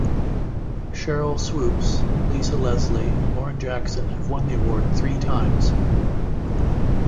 Sheryl Swoopes, Lisa Leslie and Lauren Jackson have won the award three times.